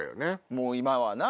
もう今はな。